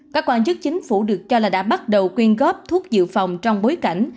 các quan chức chính phủ được cho là đã bắt đầu quyên góp thuốc dự phòng trong bối cảnh